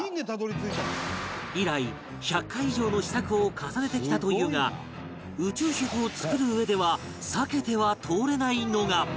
以来１００回以上の試作を重ねてきたというが宇宙食を作るうえでは避けては通れないのが